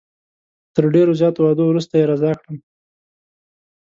تر ډېرو زیاتو وعدو وروسته یې رضا کړم.